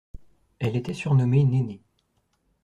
Elle était surnommée Néné.